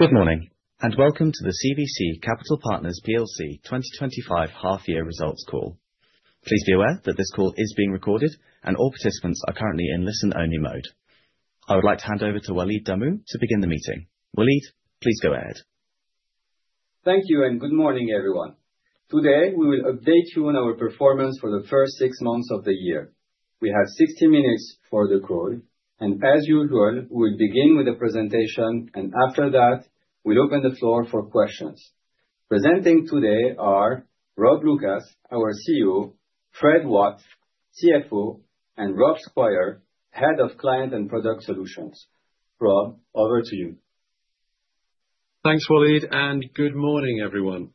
Good morning, and welcome to the CVC Capital Partners plc 2025 half year results call. Please be aware that this call is being recorded and all participants are currently in listen-only mode. I would like to hand over to Walid Damou to begin the meeting. Walid, please go ahead. Thank you, and good morning, everyone. Today, we will update you on our performance for the first six months of the year. We have sixty minutes for the call, and as usual, we'll begin with the presentation, and after that, we'll open the floor for questions. Presenting today are Rob Lucas, our CEO, Fred Watt, CFO, and Rob Squire, Head of Client and Product Solutions. Rob, over to you. Thanks, Walid, and good morning, everyone.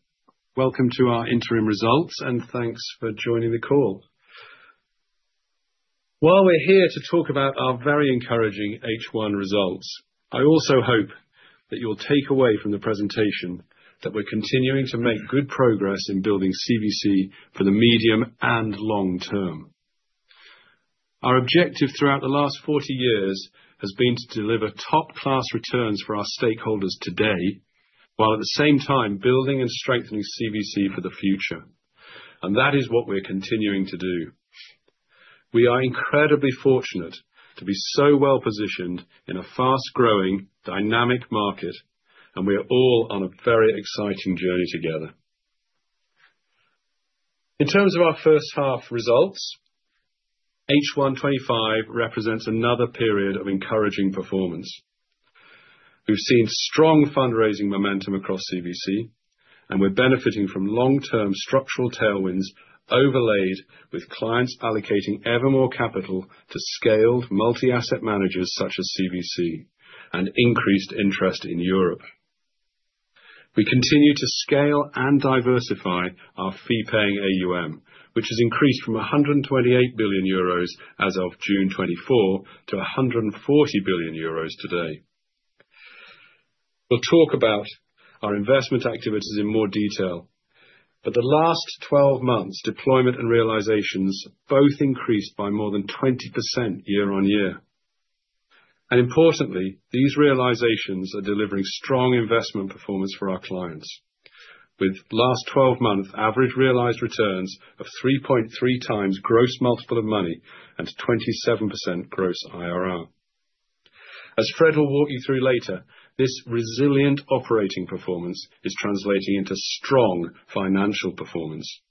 Welcome to our interim results, and thanks for joining the call. While we're here to talk about our very encouraging H1 results, I also hope that you'll take away from the presentation that we're continuing to make good progress in building CVC for the medium and long term. Our objective throughout the last forty years has been to deliver top-class returns for our stakeholders today, while at the same time building and strengthening CVC for the future. And that is what we're continuing to do. We are incredibly fortunate to be so well-positioned in a fast-growing, dynamic market, and we are all on a very exciting journey together. In terms of our first half results, H1 2025 represents another period of encouraging performance. We've seen strong fundraising momentum across CVC, and we're benefiting from long-term structural tailwinds, overlaid with clients allocating ever more capital to scaled multi-asset managers such as CVC, and increased interest in Europe. We continue to scale and diversify our fee-paying AUM, which has increased from 128 billion euros as of June 2024 to 140 billion euros today. We'll talk about our investment activities in more detail, but the last twelve months, deployment and realizations both increased by more than 20% year on year. Importantly, these realizations are delivering strong investment performance for our clients, with last twelve-month average realized returns of 3.3 times gross multiple of money and 27% gross IRR. As Fred will walk you through later, this resilient operating performance is translating into strong financial performance.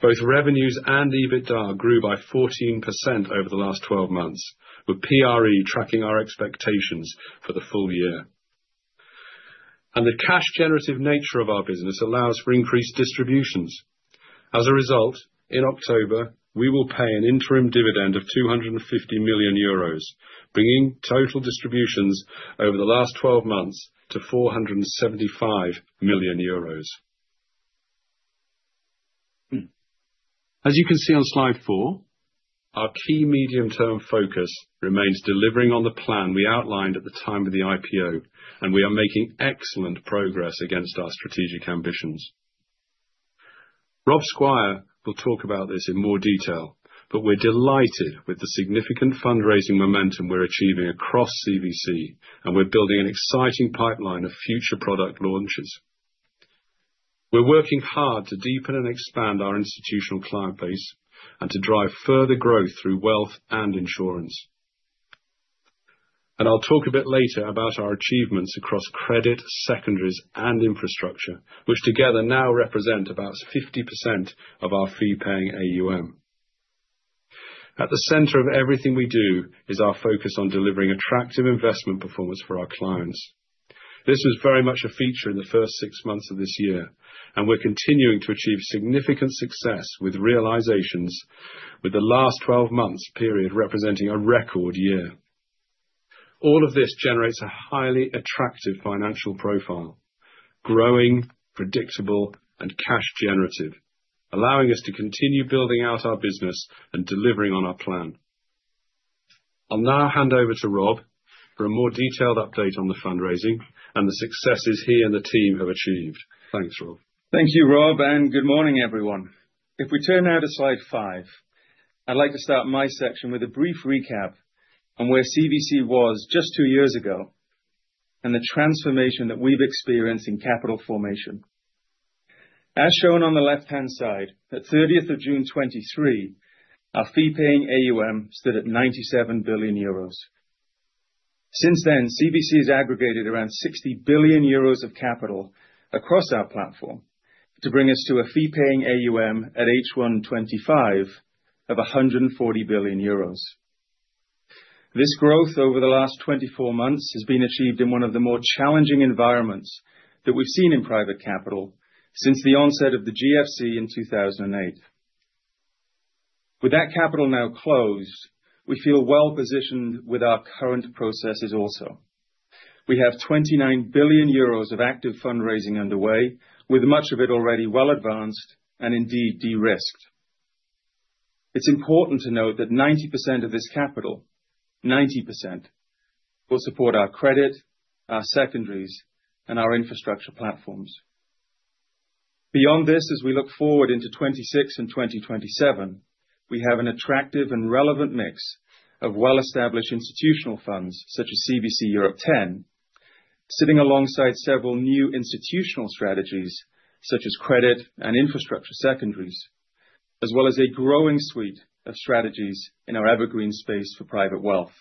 Both revenues and EBITDA grew by 14% over the last 12 months, with PRE tracking our expectations for the full year, and the cash generative nature of our business allows for increased distributions. As a result, in October, we will pay an interim dividend of 250 million euros, bringing total distributions over the last 12 months to 475 million euros. As you can see on slide four, our key medium-term focus remains delivering on the plan we outlined at the time of the IPO, and we are making excellent progress against our strategic ambitions. Rob Squire will talk about this in more detail, but we're delighted with the significant fundraising momentum we're achieving across CVC, and we're building an exciting pipeline of future product launches. We're working hard to deepen and expand our institutional client base and to drive further growth through wealth and insurance. And I'll talk a bit later about our achievements across credit, secondaries, and infrastructure, which together now represent about 50% of our fee-paying AUM. At the center of everything we do is our focus on delivering attractive investment performance for our clients. This is very much a feature in the first six months of this year, and we're continuing to achieve significant success with realizations, with the last twelve months period representing a record year. All of this generates a highly attractive financial profile, growing, predictable, and cash generative, allowing us to continue building out our business and delivering on our plan. I'll now hand over to Rob for a more detailed update on the fundraising and the successes he and the team have achieved. Thanks, Rob. Thank you, Rob, and good morning, everyone. If we turn now to slide five, I'd like to start my section with a brief recap on where CVC was just two years ago and the transformation that we've experienced in capital formation. As shown on the left-hand side, at 30th of June 2023, our fee-paying AUM stood at 97 billion euros. Since then, CVC has aggregated around 60 billion euros of capital across our platform to bring us to a fee-paying AUM at H1 2025 of 140 billion euros. This growth over the last twenty-four months has been achieved in one of the more challenging environments that we've seen in private capital since the onset of the GFC in 2008. With that capital now closed, we feel well-positioned with our current processes also. We have 29 billion euros of active fundraising underway, with much of it already well advanced and indeed de-risked. It's important to note that 90% of this capital, 90%, will support our credit, our secondaries, and our infrastructure platforms. Beyond this, as we look forward into 2026 and 2027, we have an attractive and relevant mix of well-established institutional funds, such as CVC Europe X, sitting alongside several new institutional strategies, such as credit and infrastructure secondaries, as well as a growing suite of strategies in our evergreen space for private wealth.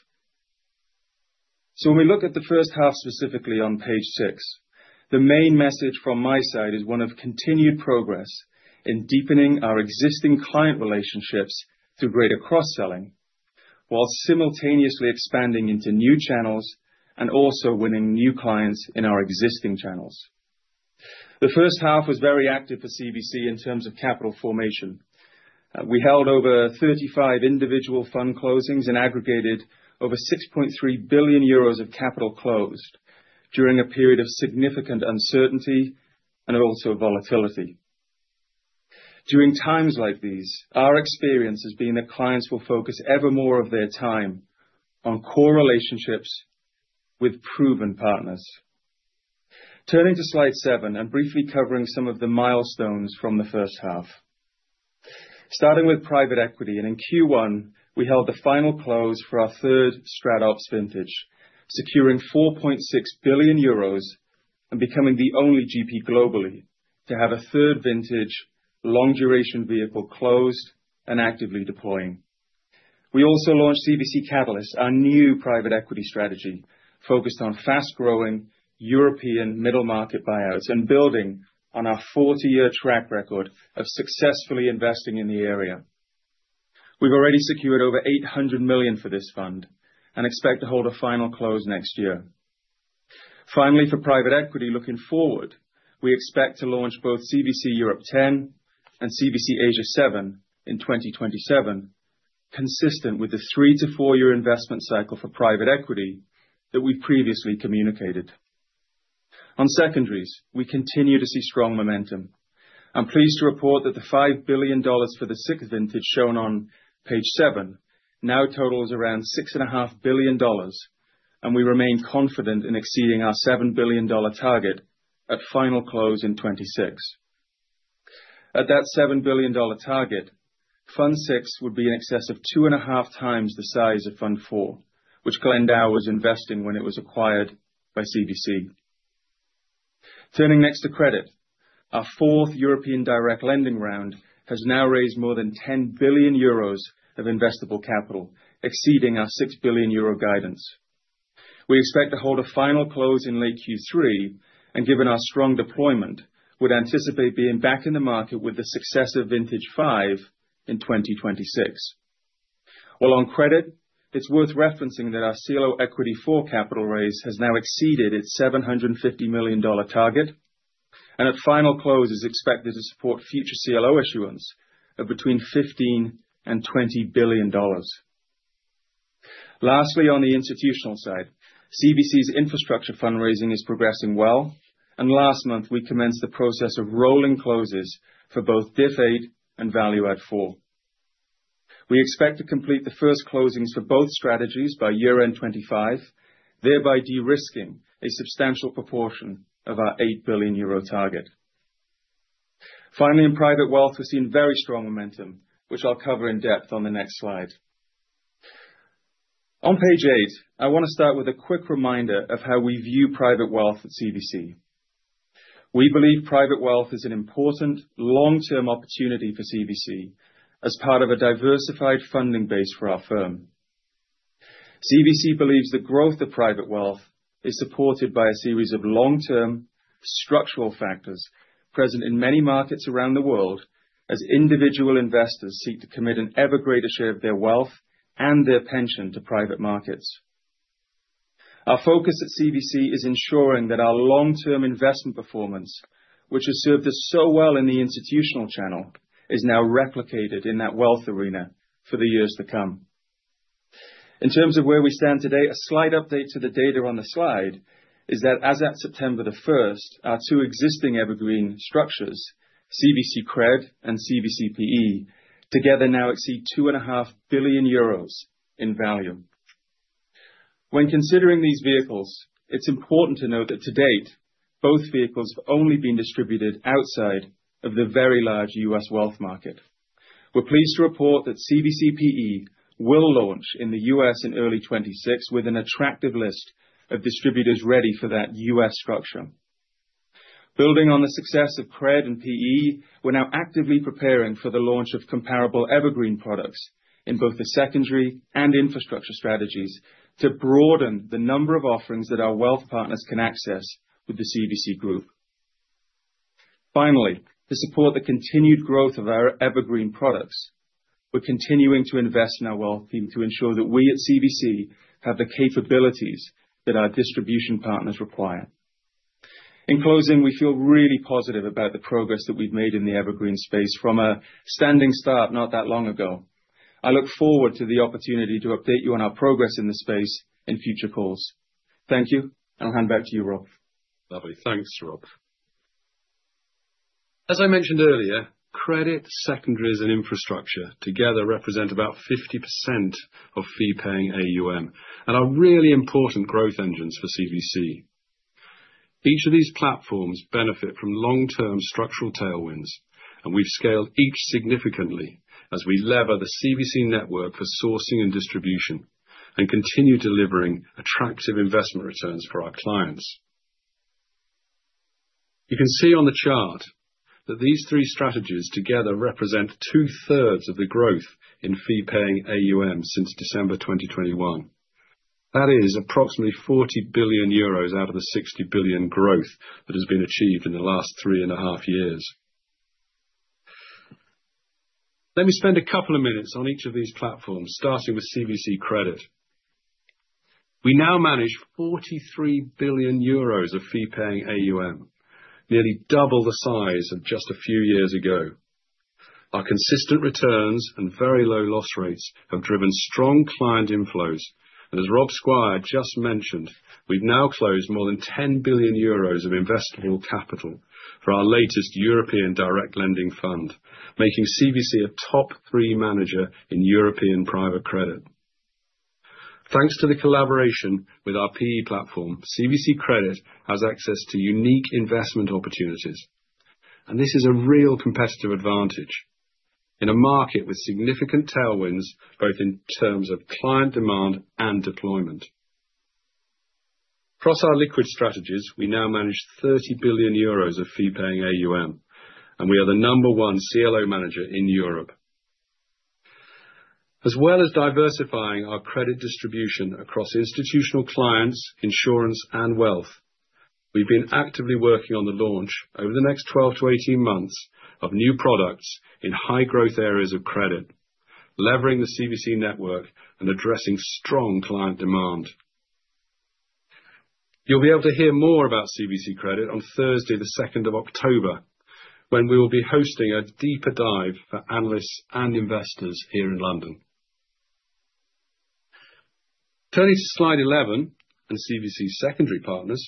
So when we look at the first half, specifically on page six, the main message from my side is one of continued progress in deepening our existing client relationships through greater cross-selling, while simultaneously expanding into new channels and also winning new clients in our existing channels. The first half was very active for CVC in terms of capital formation. We held over thirty-five individual fund closings and aggregated over 6.3 billion euros of capital closed during a period of significant uncertainty and also volatility. During times like these, our experience has been that clients will focus ever more of their time on core relationships with proven partners. Turning to slide seven and briefly covering some of the milestones from the first half. Starting with private equity, and in Q1, we held the final close for our third StratOps vintage, securing 4.6 billion euros and becoming the only GP globally to have a third vintage, long-duration vehicle closed and actively deploying. We also launched CVC Catalyst, our new private equity strategy, focused on fast-growing European middle-market buyers and building on our forty-year track record of successfully investing in the area. We've already secured over $800 million for this fund and expect to hold a final close next year. Finally, for private equity, looking forward, we expect to launch both CVC Europe X and CVC Asia VII in twenty twenty-seven, consistent with the three- to four-year investment cycle for private equity that we've previously communicated. On secondaries, we continue to see strong momentum. I'm pleased to report that the $5 billion for the sixth vintage shown on page seven now totals around $6.5 billion, and we remain confident in exceeding our $7 billion target at final close in twenty-six. At that $7 billion target, Fund VI would be in excess of two and a half times the size of Fund IV, which Glendower was investing when it was acquired by CVC. Turning next to credit, our fourth European Direct Lending round has now raised more than 10 billion euros of investable capital, exceeding our 6 billion euro guidance. We expect to hold a final close in late Q3, and given our strong deployment, would anticipate being back in the market with the successive vintage five in 2026. While on credit, it's worth referencing that our CLO Equity IV capital raise has now exceeded its $750 million target, and at final close is expected to support future CLO issuance of between $15 billion and $20 billion. Lastly, on the institutional side, CVC's infrastructure fundraising is progressing well, and last month, we commenced the process of rolling closes for both DIF VIII and Value Add IV. We expect to complete the first closings for both strategies by year-end 2025, thereby de-risking a substantial proportion of our 8 billion euro target. Finally, in private wealth, we're seeing very strong momentum, which I'll cover in depth on the next slide. On page eight, I want to start with a quick reminder of how we view private wealth at CVC. We believe private wealth is an important long-term opportunity for CVC as part of a diversified funding base for our firm. CVC believes the growth of private wealth is supported by a series of long-term structural factors present in many markets around the world, as individual investors seek to commit an ever greater share of their wealth and their pension to private markets. Our focus at CVC is ensuring that our long-term investment performance, which has served us so well in the institutional channel, is now replicated in that wealth arena for the years to come. In terms of where we stand today, a slight update to the data on the slide is that as at September 1st, our two existing evergreen structures, CVC CRED and CVC PE, together now exceed 2.5 billion euros in value. When considering these vehicles, it's important to note that to date, both vehicles have only been distributed outside of the very large U.S. wealth market. We're pleased to report that CVC PE will launch in the U.S. in early 2026 with an attractive list of distributors ready for that U.S. structure. Building on the success of Cred and PE, we're now actively preparing for the launch of comparable evergreen products in both the secondary and infrastructure strategies to broaden the number of offerings that our wealth partners can access with the CVC group. Finally, to support the continued growth of our evergreen products, we're continuing to invest in our wealth team to ensure that we, at CVC, have the capabilities that our distribution partners require. In closing, we feel really positive about the progress that we've made in the evergreen space from a standing start not that long ago. I look forward to the opportunity to update you on our progress in this space in future calls. Thank you, and I'll hand back to you, Rob. Lovely. Thanks, Rob. As I mentioned earlier.... Credit, secondaries, and infrastructure together represent about 50% of fee-paying AUM and are really important growth engines for CVC. Each of these platforms benefit from long-term structural tailwinds, and we've scaled each significantly as we lever the CVC network for sourcing and distribution and continue delivering attractive investment returns for our clients. You can see on the chart that these three strategies together represent two-thirds of the growth in fee-paying AUM since December twenty twenty-one. That is approximately 40 billion euros out of the 60 billion growth that has been achieved in the last three and a half years. Let me spend a couple of minutes on each of these platforms, starting with CVC Credit. We now manage 43 billion euros of fee-paying AUM, nearly double the size of just a few years ago. Our consistent returns and very low loss rates have driven strong client inflows, and as Rob Squire just mentioned, we've now closed more than 10 billion euros of investable capital for our latest European direct lending fund, making CVC a top three manager in European private credit. Thanks to the collaboration with our PE platform, CVC Credit has access to unique investment opportunities, and this is a real competitive advantage in a market with significant tailwinds, both in terms of client demand and deployment. Across our liquid strategies, we now manage 30 billion euros of fee-paying AUM, and we are the number one CLO manager in Europe. As well as diversifying our credit distribution across institutional clients, insurance, and wealth, we've been actively working on the launch over the next 12 to 18 months of new products in high growth areas of credit, leveraging the CVC network and addressing strong client demand. You'll be able to hear more about CVC Credit on Thursday, the second of October, when we will be hosting a deeper dive for analysts and investors here in London. Turning to slide 11 and CVC Secondary Partners,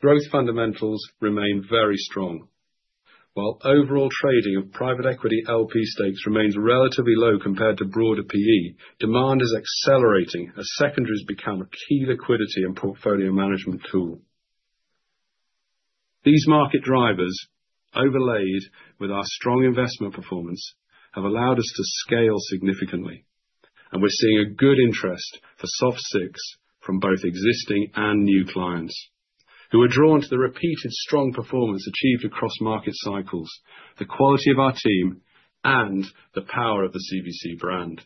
growth fundamentals remain very strong. While overall trading of private equity LP stakes remains relatively low compared to broader PE, demand is accelerating as secondaries become a key liquidity and portfolio management tool. These market drivers, overlaid with our strong investment performance, have allowed us to scale significantly, and we're seeing a good interest for soft circles from both existing and new clients, who are drawn to the repeated strong performance achieved across market cycles, the quality of our team, and the power of the CVC brand.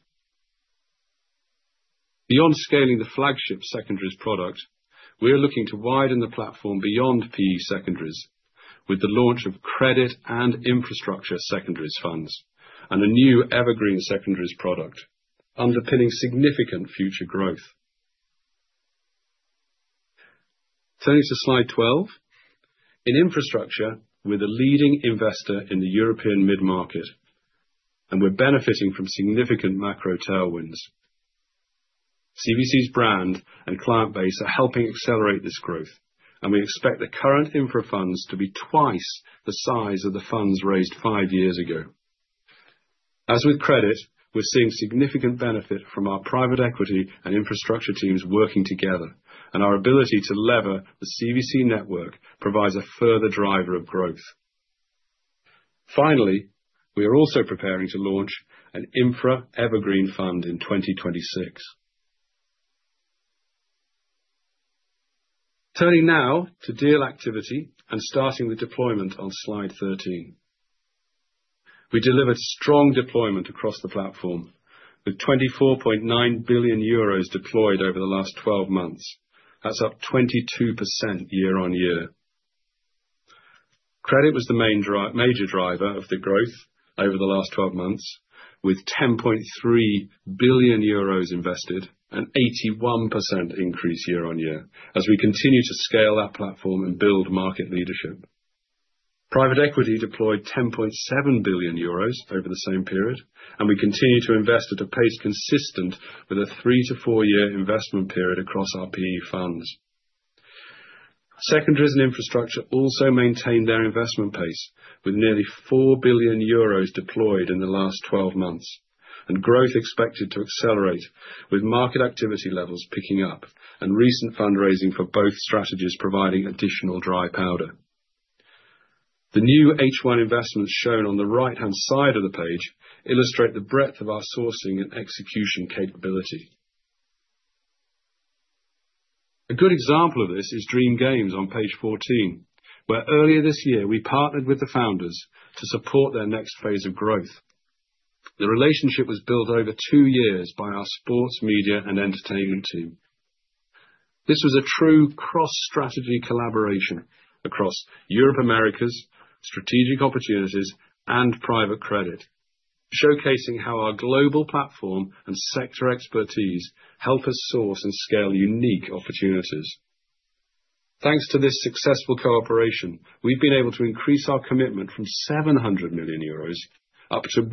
Beyond scaling the flagship secondaries product, we are looking to widen the platform beyond PE secondaries with the launch of credit and infrastructure secondaries funds, and a new evergreen secondaries product, underpinning significant future growth. Turning to slide twelve. In infrastructure, we're the leading investor in the European mid-market, and we're benefiting from significant macro tailwinds. CVC's brand and client base are helping accelerate this growth, and we expect the current infra funds to be twice the size of the funds raised five years ago. As with credit, we're seeing significant benefit from our private equity and infrastructure teams working together, and our ability to lever the CVC network provides a further driver of growth. Finally, we are also preparing to launch an infra evergreen fund in 2026. Turning now to deal activity and starting with deployment on slide 13. We delivered strong deployment across the platform, with 24.9 billion euros deployed over the last twelve months. That's up 22% year on year. Credit was the major driver of the growth over the last twelve months, with 10.3 billion euros invested, an 81% increase year on year, as we continue to scale our platform and build market leadership. Private equity deployed 10.7 billion euros over the same period, and we continue to invest at a pace consistent with a three to four-year investment period across our PE funds. Secondaries and infrastructure also maintained their investment pace, with nearly 4 billion euros deployed in the last twelve months, and growth expected to accelerate with market activity levels picking up, and recent fundraising for both strategies providing additional dry powder. The new H1 investments shown on the right-hand side of the page illustrate the breadth of our sourcing and execution capability. A good example of this is Dream Games on page 14, where earlier this year we partnered with the founders to support their next phase of growth. The relationship was built over two years by our sports, media, and entertainment team. This was a true cross-strategy collaboration across Europe, Americas, Strategic Opportunities, and Private Credit, showcasing how our global platform and sector expertise help us source and scale unique opportunities. Thanks to this successful cooperation, we've been able to increase our commitment from 700 million euros up to 1.2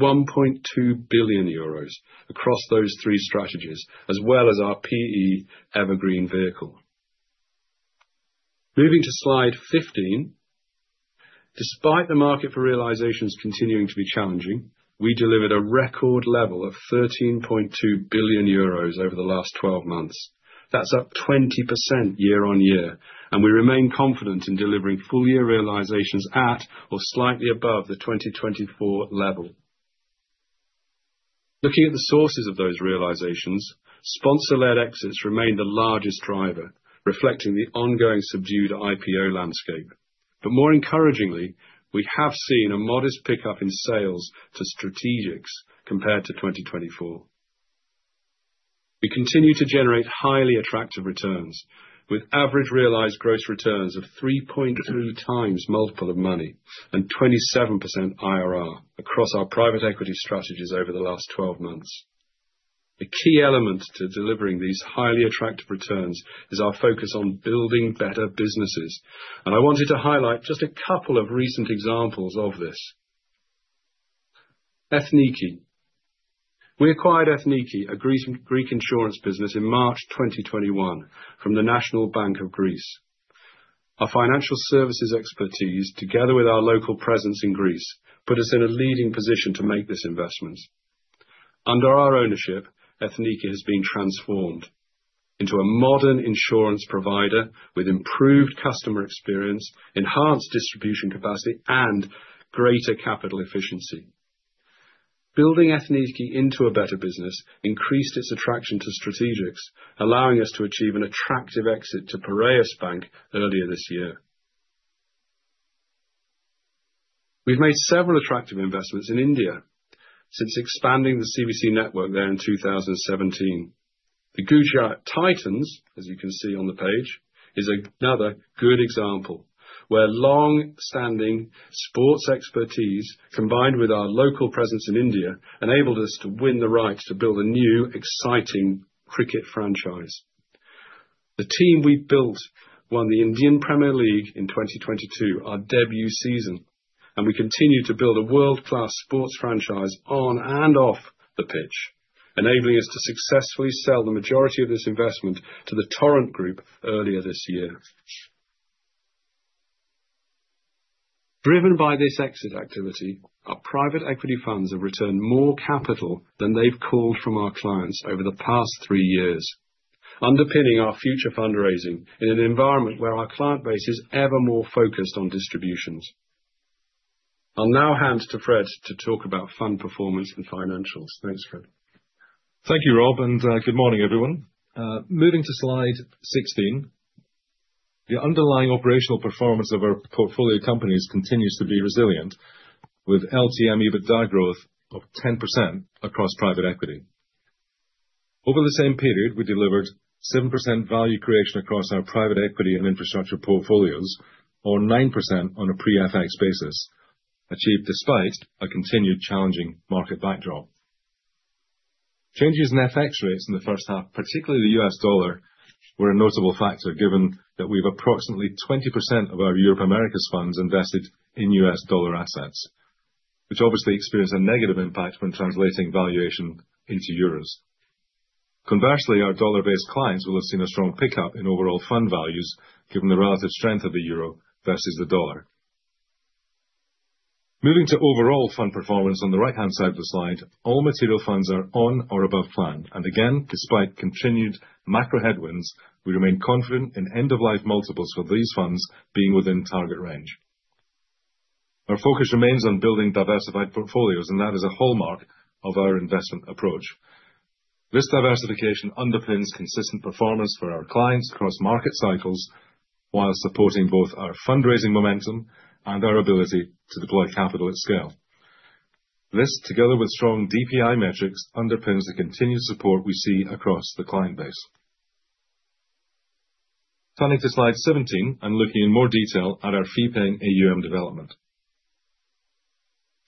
billion euros across those three strategies, as well as our PE evergreen vehicle. Moving to slide 15. Despite the market for realizations continuing to be challenging, we delivered a record level of 13.2 billion euros over the last 12 months. That's up 20% year on year, and we remain confident in delivering full year realizations at or slightly above the 2024 level. Looking at the sources of those realizations, sponsor-led exits remain the largest driver, reflecting the ongoing subdued IPO landscape. But more encouragingly, we have seen a modest pickup in sales to strategics compared to 2024. We continue to generate highly attractive returns, with average realized gross returns of 3.3 times multiple of money and 27% IRR across our private equity strategies over the last twelve months. A key element to delivering these highly attractive returns is our focus on building better businesses, and I wanted to highlight just a couple of recent examples of this. Ethniki. We acquired Ethniki, a Greek insurance business in March 2021 from the National Bank of Greece. Our financial services expertise, together with our local presence in Greece, put us in a leading position to make this investment. Under our ownership, Ethniki has been transformed into a modern insurance provider with improved customer experience, enhanced distribution capacity, and greater capital efficiency. Building Ethniki into a better business increased its attraction to strategics, allowing us to achieve an attractive exit to Piraeus Bank earlier this year. We've made several attractive investments in India since expanding the CVC network there in 2017. The Gujarat Titans, as you can see on the page, is another good example, where longstanding sports expertise, combined with our local presence in India, enabled us to win the rights to build a new, exciting cricket franchise. The team we built won the Indian Premier League in 2022, our debut season, and we continue to build a world-class sports franchise on and off the pitch, enabling us to successfully sell the majority of this investment to the Torrent Group earlier this year. Driven by this exit activity, our private equity funds have returned more capital than they've called from our clients over the past three years, underpinning our future fundraising in an environment where our client base is ever more focused on distributions. I'll now hand to Fred to talk about fund performance and financials. Thanks, Fred. Thank you, Rob, and good morning, everyone. Moving to slide 16. The underlying operational performance of our portfolio companies continues to be resilient, with LTM EBITDA growth of 10% across private equity. Over the same period, we delivered 7% value creation across our private equity and infrastructure portfolios, or 9% on a pre-FX basis, achieved despite a continued challenging market backdrop. Changes in FX rates in the first half, particularly the U.S. dollar, were a notable factor, given that we have approximately 20% of our Europe/Americas funds invested in U.S. dollar assets, which obviously experienced a negative impact when translating valuation into euros. Conversely, our dollar-based clients will have seen a strong pickup in overall fund values, given the relative strength of the euro versus the dollar. Moving to overall fund performance on the right-hand side of the slide, all material funds are on or above plan, and again, despite continued macro headwinds, we remain confident in end-of-life multiples for these funds being within target range. Our focus remains on building diversified portfolios, and that is a hallmark of our investment approach. This diversification underpins consistent performance for our clients across market cycles, while supporting both our fundraising momentum and our ability to deploy capital at scale. This, together with strong DPI metrics, underpins the continued support we see across the client base. Turning to slide 17, and looking in more detail at our fee-paying AUM development.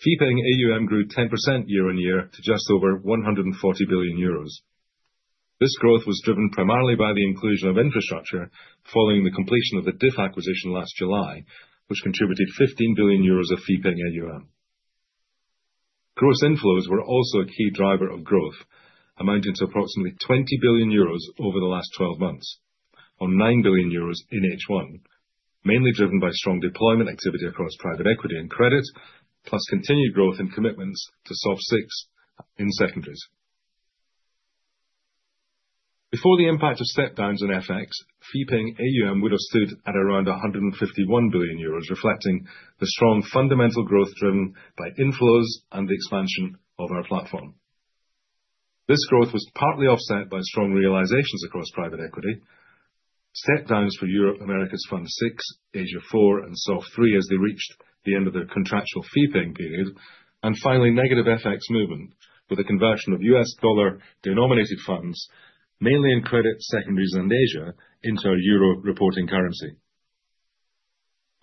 Fee-paying AUM grew 10% year on year to just over 140 billion euros. This growth was driven primarily by the inclusion of infrastructure following the completion of the DIF acquisition last July, which contributed 15 billion euros of fee-paying AUM. Gross inflows were also a key driver of growth, amounting to approximately 20 billion euros over the last twelve months, of 9 billion euros in H1, mainly driven by strong deployment activity across private equity and credit, plus continued growth in commitments to SOF VI in secondaries. Before the impact of step downs and FX, fee-paying AUM would have stood at around 151 billion euros, reflecting the strong fundamental growth driven by inflows and the expansion of our platform. This growth was partly offset by strong realizations across private equity. Step downs for Europe/Americas Fund VI, Asia IV, and SOF III, as they reached the end of their contractual fee-paying period, and finally, negative FX movement, with the conversion of U.S. dollar-denominated funds, mainly in credit secondaries and Asia, into a Euro reporting currency.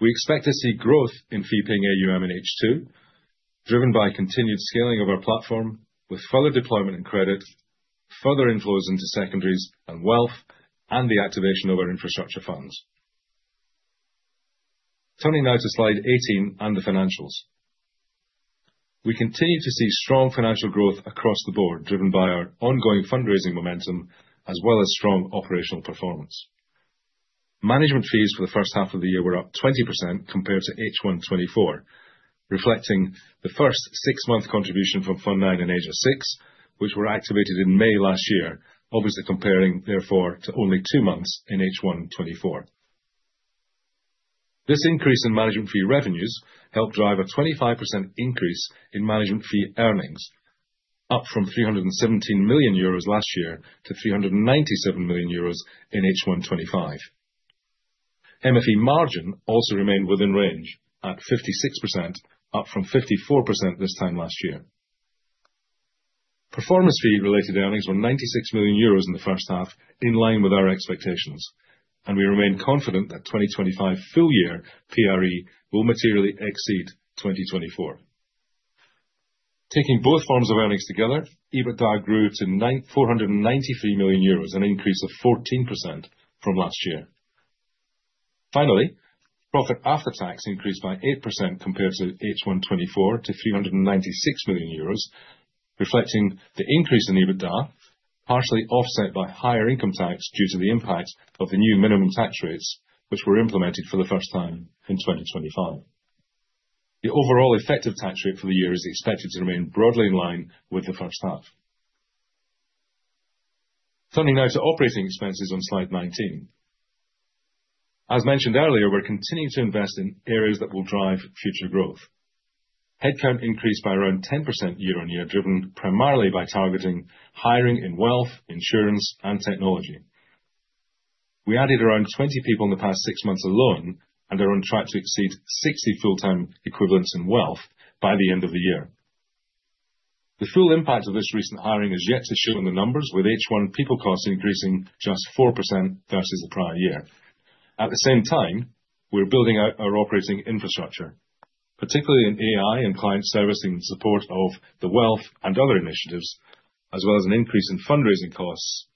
We expect to see growth in fee-paying AUM in H2, driven by continued scaling of our platform, with further deployment in credit, further inflows into secondaries and wealth, and the activation of our infrastructure funds. Turning now to slide 18 on the financials. We continue to see strong financial growth across the board, driven by our ongoing fundraising momentum, as well as strong operational performance. Management fees for the first half of the year were up 20% compared to H1 2024, reflecting the first six-month contribution from Fund IX and Asia VI, which were activated in May last year, obviously comparing therefore to only two months in H1 2024. This increase in management fee revenues helped drive a 25% increase in management fee earnings, up from 317 million euros last year to 397 million euros in H1 2025. MFE margin also remained within range at 56%, up from 54% this time last year. Performance fee-related earnings were 96 million EUR in the first half, in line with our expectations, and we remain confident that 2025 full year PRE will materially exceed 2024. Taking both forms of earnings together, EBITDA grew to 994 million euros, an increase of 14% from last year. Finally, profit after tax increased by 8% compared to H1 2024 to 396 million euros, reflecting the increase in EBITDA, partially offset by higher income tax due to the impact of the new minimum tax rates, which were implemented for the first time in 2025. The overall effective tax rate for the year is expected to remain broadly in line with the first half. Turning now to operating expenses on slide 19. As mentioned earlier, we're continuing to invest in areas that will drive future growth. Headcount increased by around 10% year-on-year, driven primarily by targeted hiring in wealth, insurance, and technology. We added around twenty people in the past six months alone, and are on track to exceed sixty full-time equivalents in wealth by the end of the year. The full impact of this recent hiring is yet to show in the numbers, with H1 people costs increasing just 4% versus the prior year. At the same time, we're building out our operating infrastructure, particularly in AI and client service, in support of the wealth and other initiatives, as well as an increase in fundraising costs,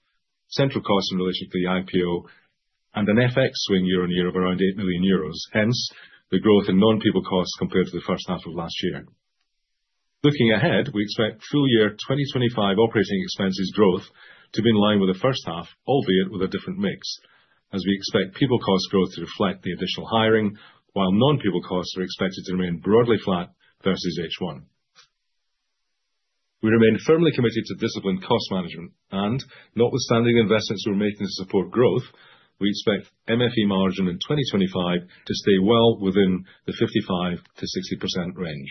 central costs in relation to the IPO, and an FX swing year-on-year of around 8 million euros. Hence, the growth in non-people costs compared to the first half of last year. Looking ahead, we expect full year 2025 operating expenses growth to be in line with the first half, albeit with a different mix, as we expect people cost growth to reflect the additional hiring, while non-people costs are expected to remain broadly flat versus H1. We remain firmly committed to disciplined cost management, and notwithstanding the investments we're making to support growth, we expect MFE margin in 2025 to stay well within the 55%-60% range.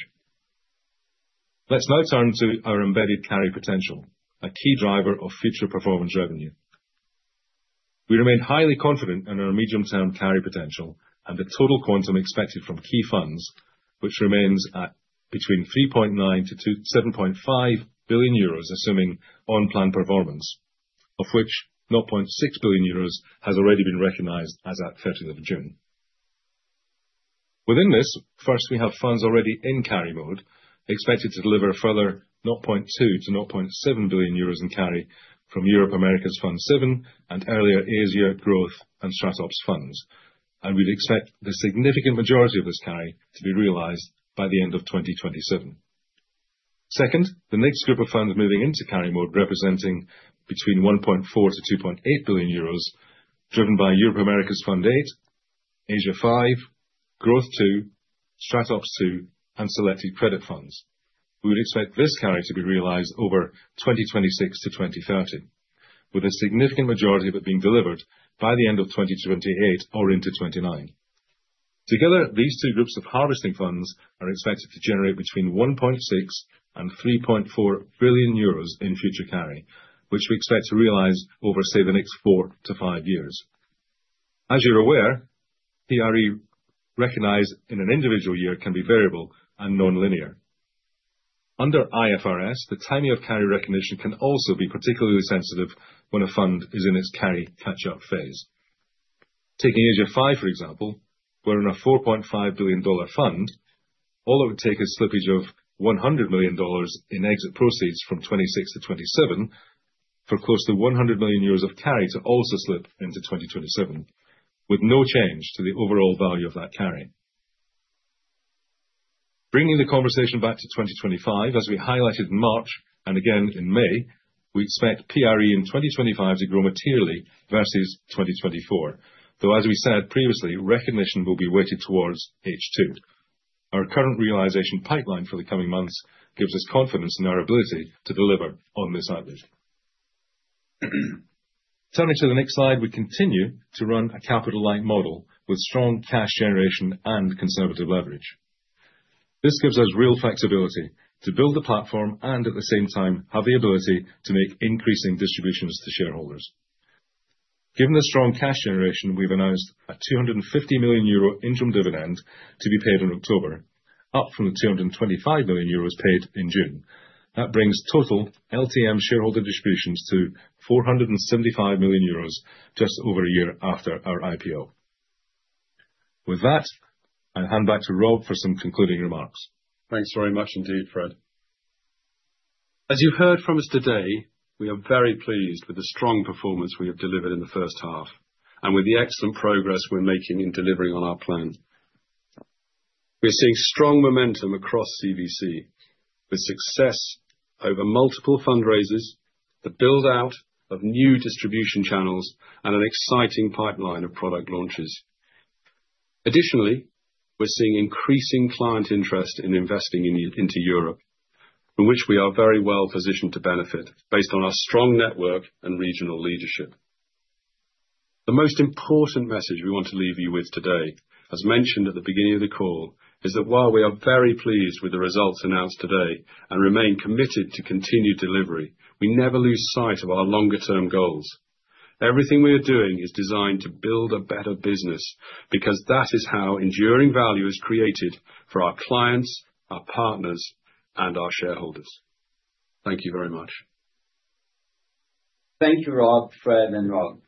Let's now turn to our embedded carry potential, a key driver of future performance revenue. We remain highly confident in our medium-term carry potential and the total quantum expected from key funds, which remains at between 3.9-27.5 billion euros, assuming on-plan performance, of which 0.6 billion euros has already been recognized as at 13th of June. Within this, first, we have funds already in carry mode, expected to deliver a further 0.2-0.7 billion euros in carry from Europe/Americas Fund VII and earlier Asia, Growth, and StratOps funds. And we'd expect the significant majority of this carry to be realized by the end of 2027. Second, the next group of funds moving into carry mode, representing between 1.4-2.8 billion euros, driven by Europe/Americas Fund VIII, Asia V, Growth II, StratOps II, and selected credit funds. We would expect this carry to be realized over 2026 to 2030, with a significant majority of it being delivered by the end of 2028 or into 2029. Together, these two groups of harvesting funds are expected to generate between 1.6 billion and 3.4 billion euros in future carry, which we expect to realize over, say, the next four to five years. As you're aware, PRE recognized in an individual year can be variable and nonlinear. Under IFRS, the timing of carry recognition can also be particularly sensitive when a fund is in its carry catch-up phase. Taking Asia five, for example, we're in a $4 billion fund. All it would take is slippage of $100 million in exit proceeds from 2026 to 2027 for close to 100 million euros of carry to also slip into 2027, with no change to the overall value of that carry. Bringing the conversation back to 2025, as we highlighted in March and again in May, we expect PRE in 2025 to grow materially versus 2024, though, as we said previously, recognition will be weighted towards H2. Our current realization pipeline for the coming months gives us confidence in our ability to deliver on this outlook. Turning to the next slide, we continue to run a capital-light model with strong cash generation and conservative leverage. This gives us real flexibility to build the platform and at the same time, have the ability to make increasing distributions to shareholders. Given the strong cash generation, we've announced a 250 million euro interim dividend to be paid in October, up from the 225 million euros paid in June. That brings total LTM shareholder distributions to EUR 475 million just over a year after our IPO. With that, I'll hand back to Rob for some concluding remarks. Thanks very much indeed, Fred. ...As you've heard from us today, we are very pleased with the strong performance we have delivered in the first half, and with the excellent progress we're making in delivering on our plan. We're seeing strong momentum across CVC, with success over multiple fundraisers, the build-out of new distribution channels, and an exciting pipeline of product launches. Additionally, we're seeing increasing client interest in investing into Europe, from which we are very well positioned to benefit, based on our strong network and regional leadership. The most important message we want to leave you with today, as mentioned at the beginning of the call, is that while we are very pleased with the results announced today and remain committed to continued delivery, we never lose sight of our longer-term goals. Everything we are doing is designed to build a better business, because that is how enduring value is created for our clients, our partners, and our shareholders. Thank you very much. Thank you, Rob, Fred, and Rob.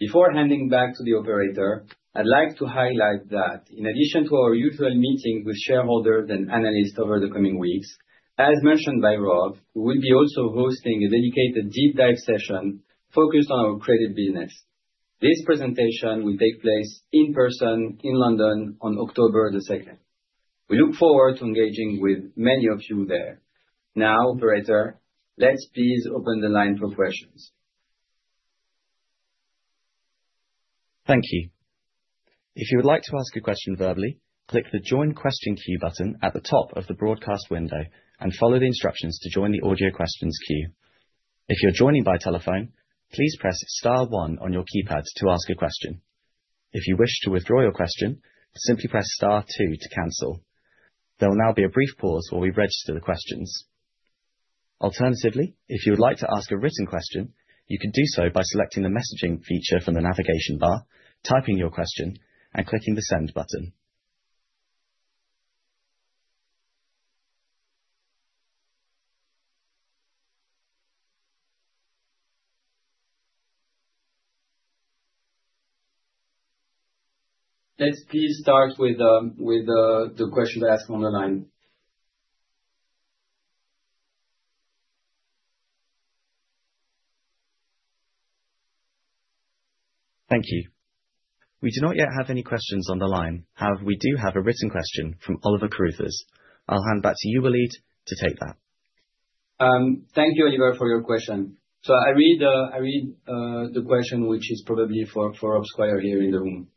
Before handing back to the operator, I'd like to highlight that in addition to our usual meetings with shareholders and analysts over the coming weeks, as mentioned by Rob, we'll be also hosting a dedicated deep dive session focused on our credit business. This presentation will take place in person in London on October the second. We look forward to engaging with many of you there. Now, operator, let's please open the line for questions. Thank you. If you would like to ask a question verbally, click the Join Question Queue button at the top of the broadcast window, and follow the instructions to join the audio questions queue. If you're joining by telephone, please press star one on your keypad to ask a question. If you wish to withdraw your question, simply press star two to cancel. There will now be a brief pause while we register the questions. Alternatively, if you would like to ask a written question, you can do so by selecting the messaging feature from the navigation bar, typing your question, and clicking the Send button. Let's please start with the question asked on the line. Thank you. We do not yet have any questions on the line. However, we do have a written question from Oliver Carruthers. I'll hand back to you, Walid, to take that. Thank you, Oliver, for your question. So I read the question, which is probably for Rob Squire here in the room.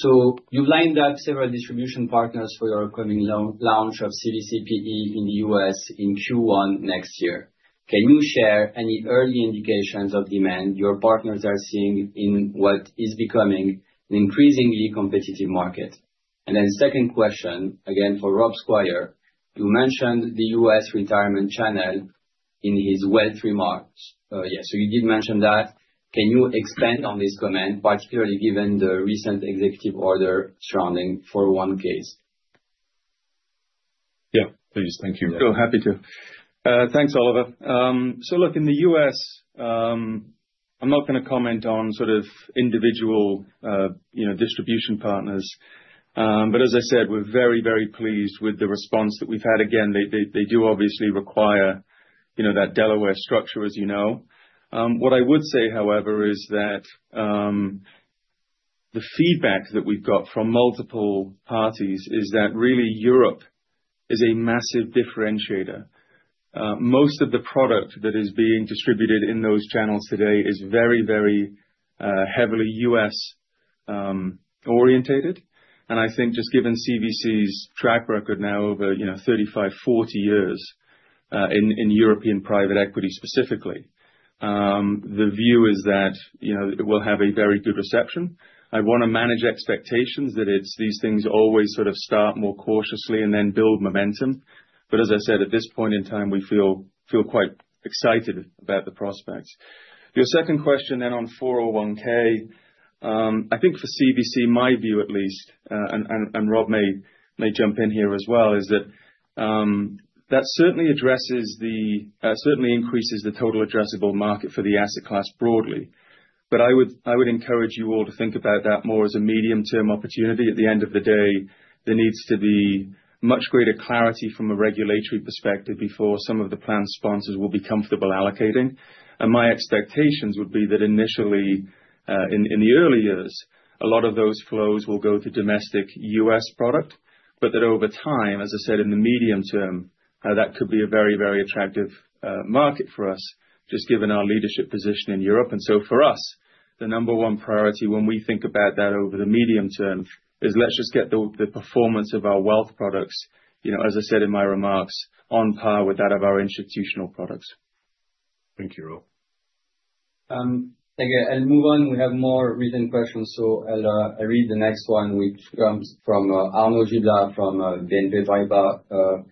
So you've lined up several distribution partners for your upcoming launch of CVC PE in the US in Q1 next year. Can you share any early indications of demand your partners are seeing in what is becoming an increasingly competitive market? And then second question, again for Rob Squire. You mentioned the US retirement channel in his wealth remarks. Yeah, so you did mention that. Can you expand on this comment, particularly given the recent executive order surrounding 401(k)s? Yeah, please. Thank you. So happy to. Thanks, Oliver. So look, in the U.S., I'm not gonna comment on sort of individual, you know, distribution partners, but as I said, we're very, very pleased with the response that we've had. Again, they do obviously require, you know, that Delaware structure, as you know. What I would say, however, is that the feedback that we've got from multiple parties is that really, Europe is a massive differentiator. Most of the product that is being distributed in those channels today is very, very heavily U.S. oriented. And I think just given CVC's track record now over, you know, thirty-five, forty years in European private equity specifically, the view is that, you know, it will have a very good reception. I want to manage expectations that it's these things always sort of start more cautiously and then build momentum. But as I said, at this point in time, we feel quite excited about the prospects. Your second question then on 401(k), I think for CVC, my view at least, and Rob may jump in here as well, is that that certainly addresses the certainly increases the total addressable market for the asset class broadly. But I would encourage you all to think about that more as a medium-term opportunity. At the end of the day, there needs to be much greater clarity from a regulatory perspective before some of the plan sponsors will be comfortable allocating. And my expectations would be that initially, in the early years, a lot of those flows will go to domestic U.S. product, but that over time, as I said, in the medium term, that could be a very, very attractive market for us, just given our leadership position in Europe. And so for us, the number one priority when we think about that over the medium term is, let's just get the performance of our wealth products, you know, as I said in my remarks, on par with that of our institutional products. Thank you, Rob. Okay, I'll move on. We have more written questions, so I'll read the next one, which comes from Arnaud Giblat from BNP Paribas Exane.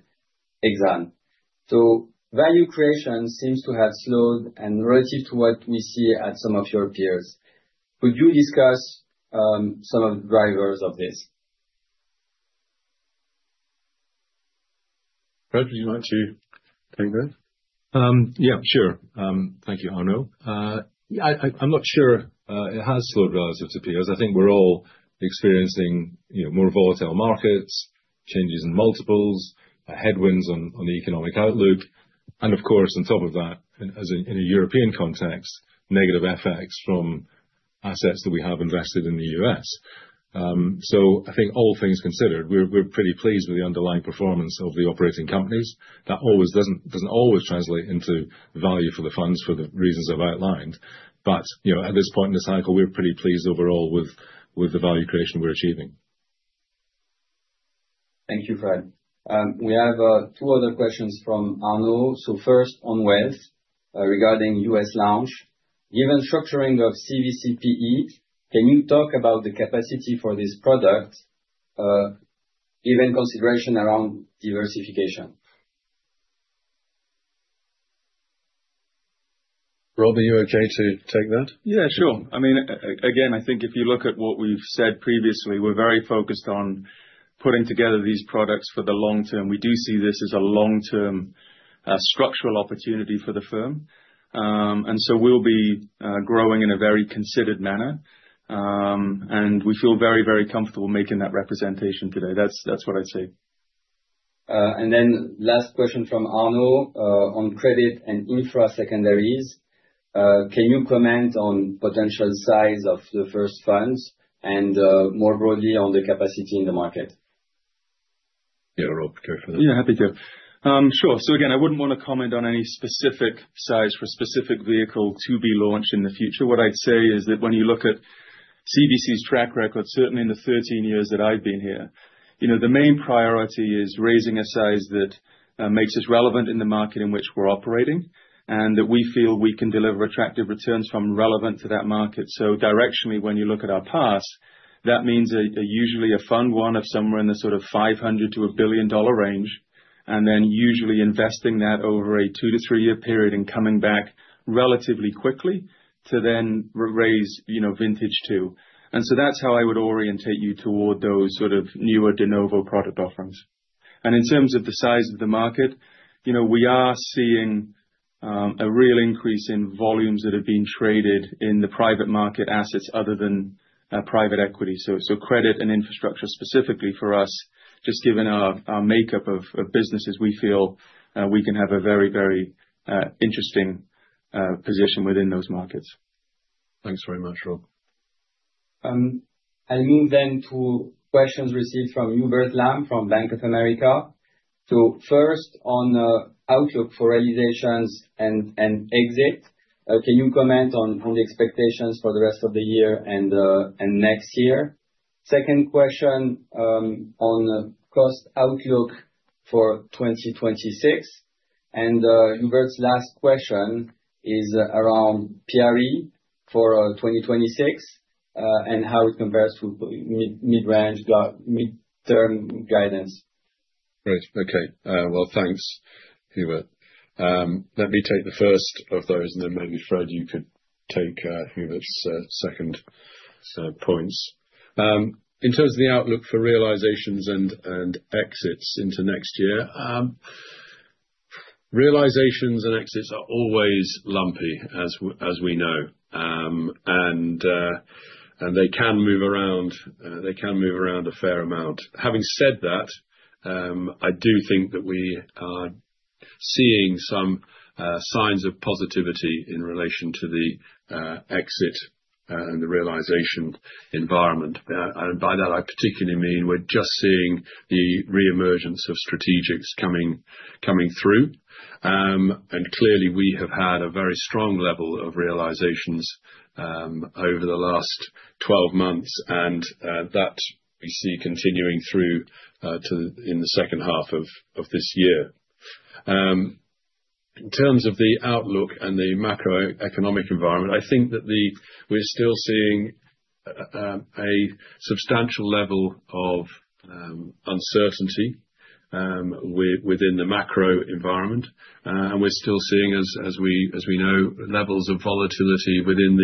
So value creation seems to have slowed and relative to what we see at some of your peers. Could you discuss some of the drivers of this? Fred, would you like to take that? Yeah, sure. Thank you, Arnaud. Yeah, I, I'm not sure it has slowed relative to peers. I think we're all experiencing, you know, more volatile markets, changes in multiples, headwinds on the economic outlook, and of course, on top of that, and as in a European context, negative effects from assets that we have invested in the U.S. So I think all things considered, we're pretty pleased with the underlying performance of the operating companies. That always doesn't, doesn't always translate into value for the funds, for the reasons I've outlined. But, you know, at this point in the cycle, we're pretty pleased overall with the value creation we're achieving. Thank you, Fred. We have two other questions from Arnaud. So first, on wealth, regarding U.S. launch. Given structuring of CVC PE, can you talk about the capacity for this product, given consideration around diversification? Rob, are you okay to take that? Yeah, sure. I mean, again, I think if you look at what we've said previously, we're very focused on putting together these products for the long term. We do see this as a long-term, structural opportunity for the firm. And so we'll be growing in a very considered manner. And we feel very, very comfortable making that representation today. That's what I'd say. And then last question from Arnaud on credit and infra secondaries. Can you comment on potential size of the first funds and, more broadly, on the capacity in the market? Yeah, Rob, go for it. Yeah, happy to. Sure. So again, I wouldn't want to comment on any specific size for a specific vehicle to be launched in the future. What I'd say is that when you look at CVC's track record, certainly in the thirteen years that I've been here, you know, the main priority is raising a size that makes us relevant in the market in which we're operating, and that we feel we can deliver attractive returns from relevant to that market. So directionally, when you look at our past, that means a usually a fund one of somewhere in the sort of $500 million-$1 billion range, and then usually investing that over a two to three-year period and coming back relatively quickly to then raise, you know, vintage two. And so that's how I would orientate you toward those sort of newer de novo product offerings. And in terms of the size of the market, you know, we are seeing a real increase in volumes that are being traded in the private market assets other than private equity. So credit and infrastructure, specifically for us, just given our makeup of businesses, we feel we can have a very, very interesting position within those markets. Thanks very much, Rob. I'll move then to questions received from Hubert Lam, from Bank of America. So first, on the outlook for realizations and exit, can you comment on the expectations for the rest of the year and next year? Second question, on the cost outlook for 2026, and Hubert's last question is around PRE for 2026, and how it compares to mid-range, mid-term guidance. Great. Okay. Well, thanks, Hubert. Let me take the first of those, and then maybe, Fred, you could take Hubert's second points. In terms of the outlook for realizations and exits into next year, realizations and exits are always lumpy, as we know. And they can move around a fair amount. Having said that, I do think that we are seeing some signs of positivity in relation to the exit and the realization environment. And by that, I particularly mean we're just seeing the reemergence of strategics coming through. And clearly, we have had a very strong level of realizations over the last twelve months, and that we see continuing through to the second half of this year. In terms of the outlook and the macroeconomic environment, I think that we're still seeing a substantial level of uncertainty within the macro environment, and we're still seeing, as we know, levels of volatility within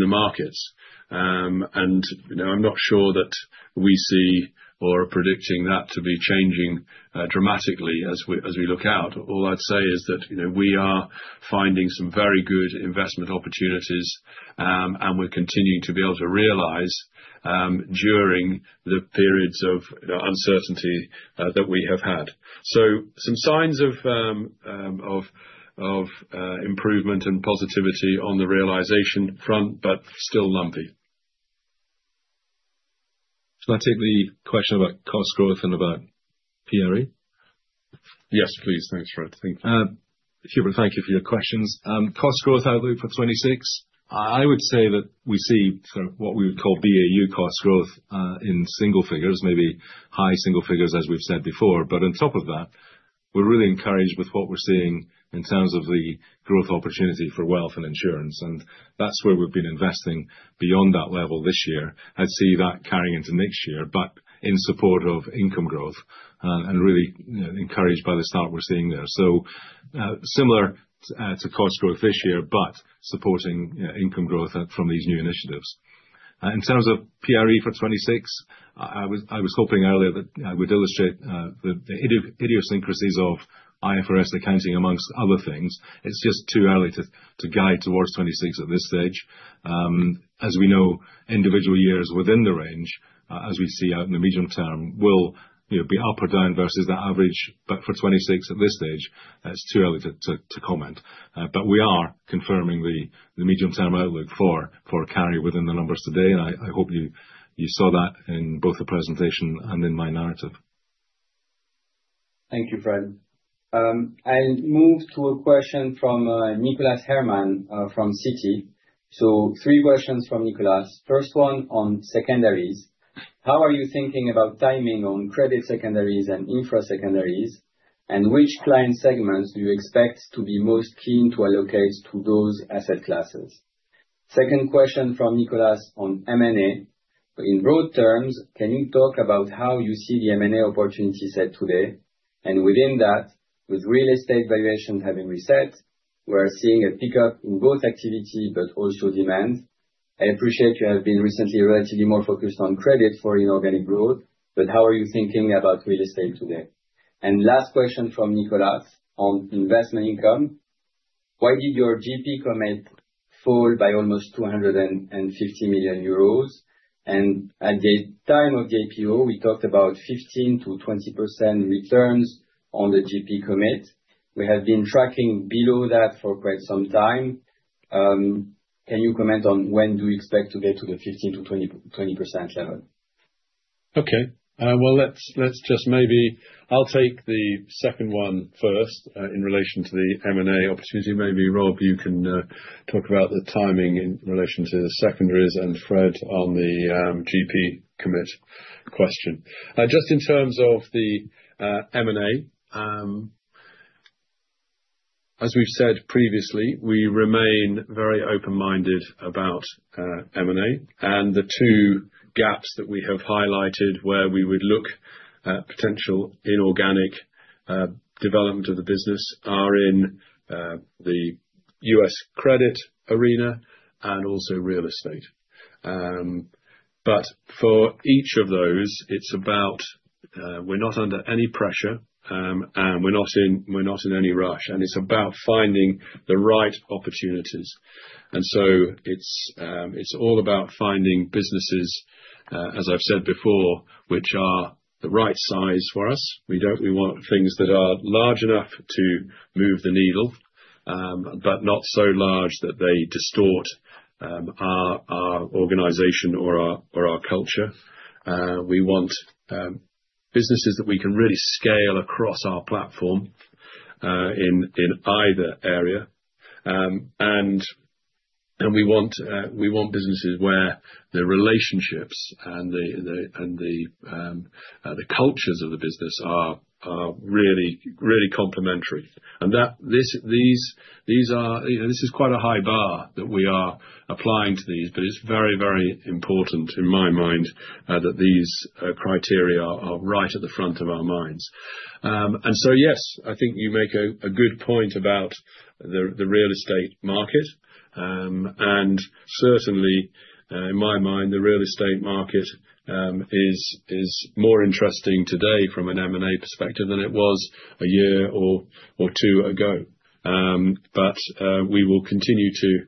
the markets. You know, I'm not sure that we see or are predicting that to be changing dramatically as we look out. All I'd say is that, you know, we are finding some very good investment opportunities, and we're continuing to be able to realize during the periods of, you know, uncertainty that we have had, so some signs of improvement and positivity on the realization front, but still lumpy. Shall I take the question about cost growth and about PRE? Yes, please. Thanks, Fred. Thank you. Hubert, thank you for your questions. Cost growth outlook for 2026, I would say that we see sort of what we would call BAU cost growth in single figures, maybe high single figures, as we've said before. But on top of that, we're really encouraged with what we're seeing in terms of the growth opportunity for wealth and insurance, and that's where we've been investing beyond that level this year. I see that carrying into next year, but in support of income growth, and really, you know, encouraged by the start we're seeing there. To add to cost growth this year, but supporting, you know, income growth from these new initiatives. In terms of PRE for 2026, I was hoping earlier that I would illustrate the idiosyncrasies of IFRS accounting, among other things. It's just too early to guide towards 2026 at this stage. As we know, individual years within the range, as we see out in the medium term, will, you know, be up or down versus the average, but for 2026, at this stage, it's too early to comment. But we are confirming the medium-term outlook for carry within the numbers today, and I hope you saw that in both the presentation and in my narrative. Thank you, Fred. I'll move to a question from Nicholas Herman from Citi. So three questions from Nicholas. First one on secondaries: How are you thinking about timing on credit secondaries and infra secondaries, and which client segments do you expect to be most keen to allocate to those asset classes? Second question from Nicholas on M&A: In broad terms, can you talk about how you see the M&A opportunity set today? And within that, with real estate valuation having reset, we are seeing a pickup in both activity, but also demand. I appreciate you have been recently relatively more focused on credit for inorganic growth, but how are you thinking about real estate today? And last question from Nicholas on investment income: Why did your GP commit fall by almost 250 million euros? At the time of the APO, we talked about 15%-20% returns on the GP commit. We have been tracking below that for quite some time. Can you comment on when do you expect to get to the 15%-20%, 20% level? Okay, well, let's just maybe... I'll take the second one first, in relation to the M&A opportunity. Maybe, Rob, you can talk about the timing in relation to the secondaries, and Fred on the GP commit question. Just in terms of the M&A, as we've said previously, we remain very open-minded about M&A, and the two gaps that we have highlighted where we would look at potential inorganic development of the business are in the U.S. credit arena and also real estate. But for each of those, it's about, we're not under any pressure, and we're not in any rush, and it's about finding the right opportunities. And so it's all about finding businesses, as I've said before, which are the right size for us. We don't- we want things that are large enough to move the needle, but not so large that they distort our organization or our culture. We want businesses that we can really scale across our platform in either area. And we want businesses where the relationships and the cultures of the business are really complementary. And that these are, you know, this is quite a high bar that we are applying to these, but it's very important, in my mind, that these criteria are right at the front of our minds. And so, yes, I think you make a good point about the real estate market. And certainly, in my mind, the real estate market is more interesting today from an M&A perspective than it was a year or two ago. But we will continue to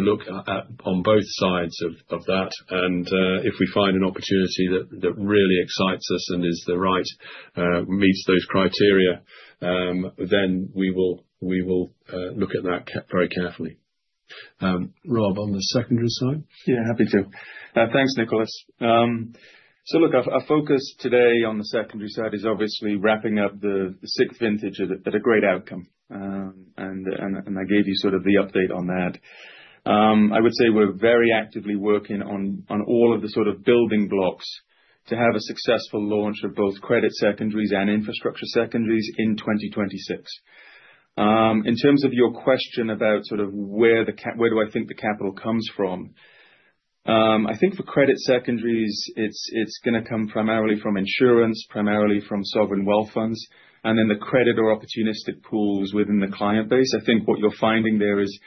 look at on both sides of that, and if we find an opportunity that really excites us and is the right meets those criteria, then we will look at that very carefully. Rob, on the secondary side? Yeah, happy to. Thanks, Nicholas. So look, our focus today on the secondary side is obviously wrapping up the sixth vintage at a great outcome. And I gave you sort of the update on that. I would say we're very actively working on all of the sort of building blocks to have a successful launch of both credit secondaries and infrastructure secondaries in 2026. In terms of your question about where I think the capital comes from? I think for credit secondaries, it's gonna come primarily from insurance, primarily from sovereign wealth funds, and then the credit or opportunistic pools within the client base. I think what you're finding there is,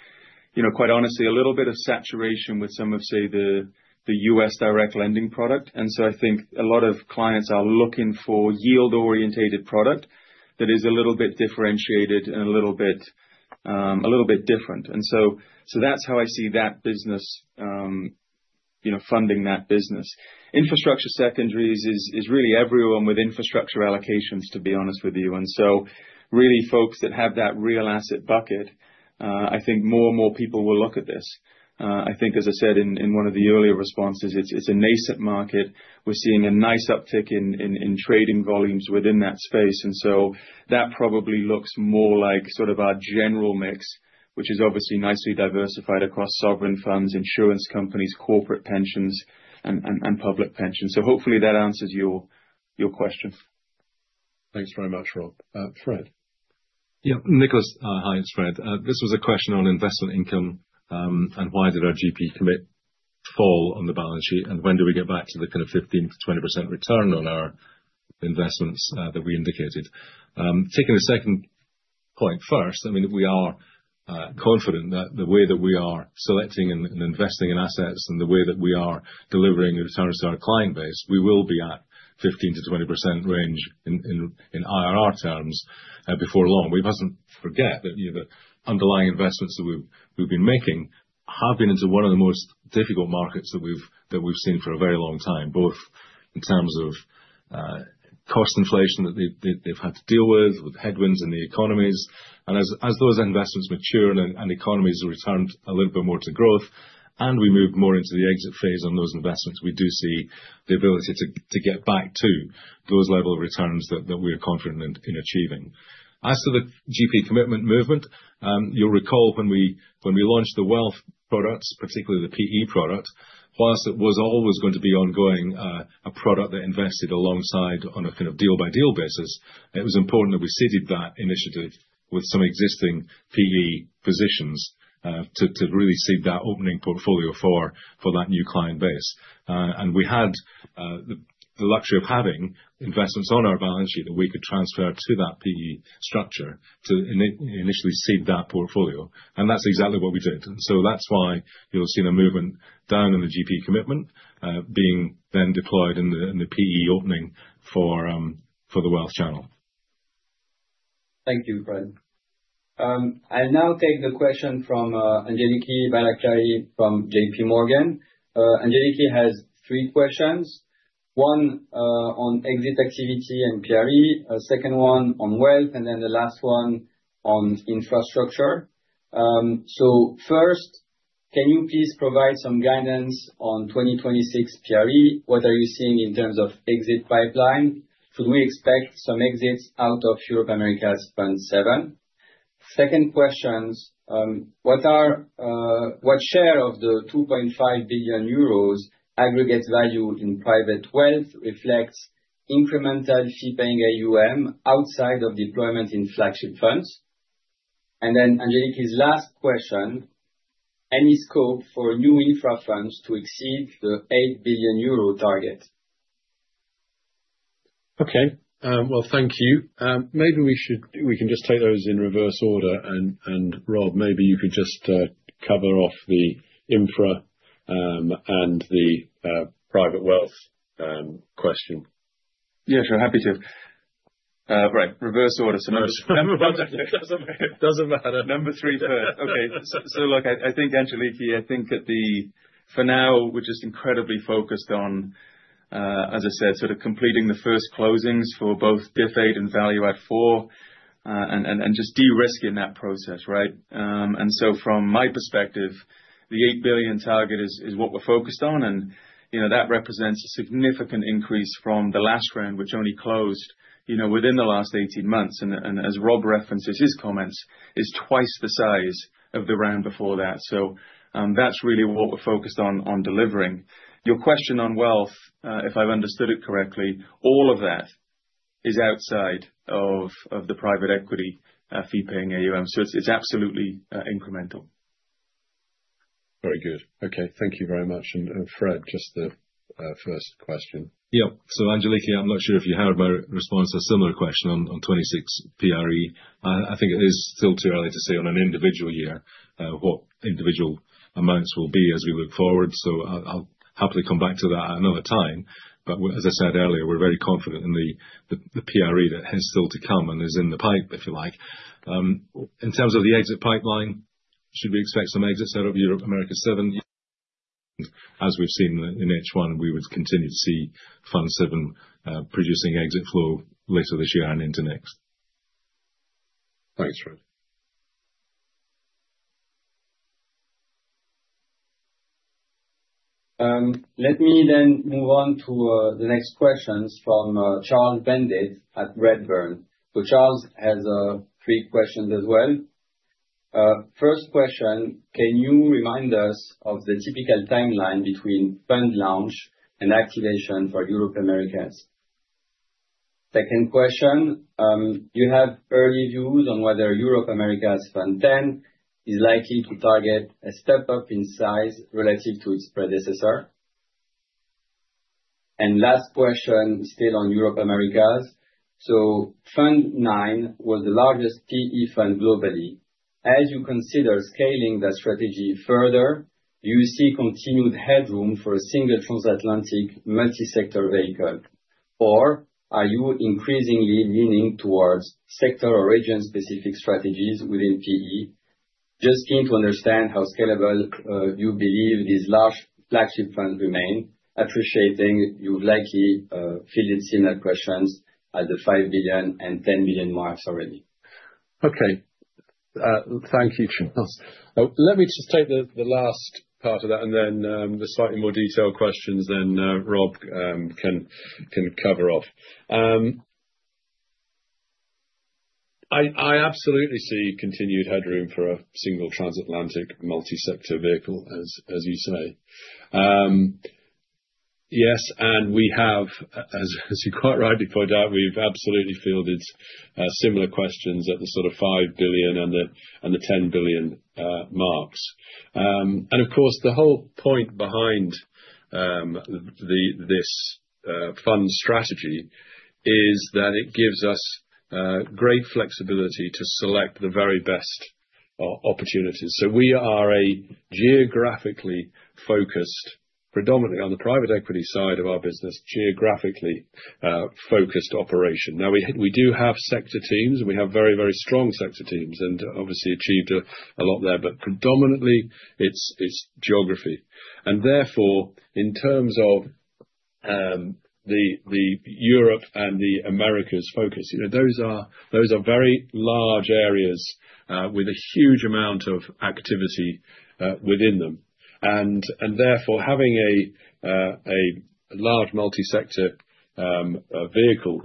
you know, quite honestly, a little bit of saturation with some of, say, the US direct lending product. And so I think a lot of clients are looking for yield-orientated product that is a little bit differentiated and a little bit different. And so that's how I see that business, you know, funding that business. Infrastructure secondaries is really everyone with infrastructure allocations, to be honest with you. And so really, folks that have that real asset bucket. I think more and more people will look at this. I think, as I said in one of the earlier responses, it's a nascent market. We're seeing a nice uptick in trading volumes within that space, and so that probably looks more like sort of our general mix, which is obviously nicely diversified across sovereign funds, insurance companies, corporate pensions, and public pensions. So hopefully that answers your question. Thanks very much, Rob. Fred? Yeah. Nicholas, hi, it's Fred. This was a question on investment income, and why did our GP commitment fall on the balance sheet, and when do we get back to the kind of 15%-20% return on our investments that we indicated? Taking the second point first, I mean, we are confident that the way that we are selecting and investing in assets, and the way that we are delivering returns to our client base, we will be at 15%-20% range in IRR terms before long. We mustn't forget that, you know, the underlying investments that we've been making have been into one of the most difficult markets that we've seen for a very long time, both in terms of cost inflation that they've had to deal with, with headwinds in the economies. And as those investments mature and economies return a little bit more to growth, and we move more into the exit phase on those investments, we do see the ability to get back to those level of returns that we are confident in achieving. As to the GP commitment movement, you'll recall when we launched the wealth products, particularly the PE product, for us it was always going to be ongoing, a product that invested alongside on a kind of deal by deal basis. It was important that we seeded that initiative with some existing PE positions, to really seed that opening portfolio for that new client base. And we had the luxury of having investments on our balance sheet that we could transfer to that PE structure, to initially seed that portfolio. And that's exactly what we did. So that's why you'll see the movement down in the GP commitment, being then deployed in the PE opening for the wealth channel. Thank you, Fred. I now take the question from Angeliki Bairaktari from J.P. Morgan. Angeliki has three questions. One on exit activity and PRE. A second one on wealth, and then the last one on infrastructure. So first, can you please provide some guidance on 2026 PRE? What are you seeing in terms of exit pipeline? Should we expect some exits out of Europe/Americas Fund VII? Second question, what share of the 2.5 billion euros aggregate value in private wealth reflects incremental fee-paying AUM outside of deployment in flagship funds? And then Angeliki's last question: Any scope for new infra funds to exceed the 8 billion euro target? Okay. Well, thank you. We can just take those in reverse order, and Rob, maybe you could just cover off the infra and the private wealth question. Yeah, sure, happy to. Right, reverse order. Doesn't matter. Number three first. Okay. So, look, I think Angeliki, I think that the for now, we're just incredibly focused on, as I said, sort of completing the first closings for both DIF VIII and Value Add IV, and just de-risking that process, right? And so from my perspective, the eight billion target is what we're focused on. And, you know, that represents a significant increase from the last round, which only closed, you know, within the last 18 months. And as Rob references his comments, is twice the size of the round before that. So, that's really what we're focused on, on delivering. Your question on wealth, if I've understood it correctly, all of that is outside of the private equity fee-paying AUM. So it's absolutely incremental. Very good. Okay, thank you very much. And Fred, just the first question. Yep. So, Angeliki, I'm not sure if you heard my response to a similar question on 2026 PRE. I think it is still too early to say on an individual year what individual amounts will be as we look forward. So I'll happily come back to that another time. But as I said earlier, we're very confident in the PRE that has still to come and is in the pipe, if you like. In terms of the exit pipeline, should we expect some exits out of Europe/Americas VII? As we've seen in H1, we would continue to see Fund VII producing exit flow later this year and into next. Thanks, Fred. Let me then move on to the next questions from Charles Bendit at Redburn. So Charles has three questions as well. First question: Can you remind us of the typical timeline between fund launch and activation for Europe, Americas? Second question: Do you have early views on whether Europe, Americas Fund X is likely to target a step-up in size relative to its predecessor? And last question, still on Europe, Americas: So Fund IX was the largest PE fund globally. As you consider scaling that strategy further, do you see continued headroom for a single transatlantic, multi-sector vehicle, or are you increasingly leaning towards sector or region-specific strategies within PE? Just keen to understand how scalable you believe these large flagship funds remain, appreciating you've likely fielded similar questions at the five billion and ten billion marks already. Okay. Thank you, Charles. Let me just take the last part of that, and then, the slightly more detailed questions, then, Rob, can cover off. I absolutely see continued headroom for a single transatlantic, multi-sector vehicle, as you say.... Yes, and we have, as you quite rightly point out, we've absolutely fielded similar questions at the sort of 5 billion and the 10 billion marks, and of course, the whole point behind this fund strategy is that it gives us great flexibility to select the very best opportunities. So we are a geographically focused, predominantly on the private equity side of our business, geographically focused operation. Now, we do have sector teams, and we have very, very strong sector teams, and obviously achieved a lot there, but predominantly, it's geography, and therefore, in terms of the Europe and the Americas focus, you know, those are very large areas with a huge amount of activity within them. And therefore, having a large multi-sector vehicle